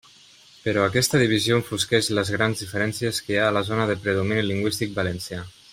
Però aquesta divisió enfosqueix les grans diferències que hi ha a la zona de predomini lingüístic valencià.